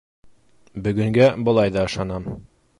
Бөгөнгә былай ҙа ышанам.